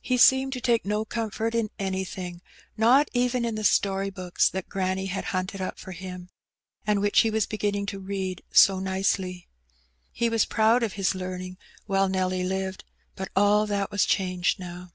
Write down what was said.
He seemed to take no comfort in anything^ not even in the story books that granny had hunted up for him, and which he was beginning to read so nicely. He was proud of his learning while Nelly lived; but all tluKt was changed now.